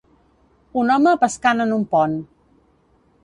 Un home pescant en un pont.